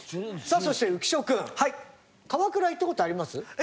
さあそして浮所君行った事あります。